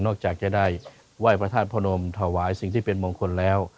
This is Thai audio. จากจะได้ไหว้พระธาตุพระนมถวายสิ่งที่เป็นมงคลแล้ว